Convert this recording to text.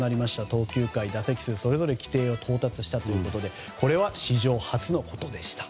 投球回、打席数でそれぞれ規定到達したということでこれは史上初のことでした。